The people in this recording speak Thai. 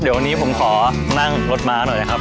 เดี๋ยววันนี้ผมขอนั่งรถม้าหน่อยนะครับ